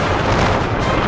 aku akan menang